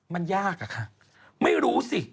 มันยากอะค่ะไม่รู้สิ